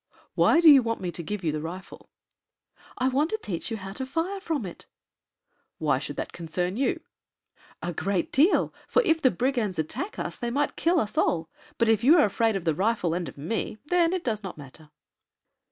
"Why do you want me to give you the rifle?" "I want to teach you how to fire from it." "Why should that concern you?" "A great deal, for if the brigands attack us they might kill us all. But if you are afraid of the rifle and of me then it does not matter."